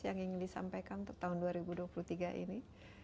yang ingin disampaikan untuk tahun dua ribu dua puluh tiga ini